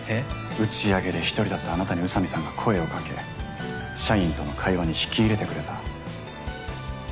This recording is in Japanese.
打ち上げで１人だったあなたに宇佐美さんが声をかけ社員との会話に引き入れてくれた。